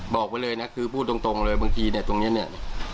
บอกไว้เลยนะคือพูดตรงเลยบางทีเนี่ยตรงนี้เนี่ย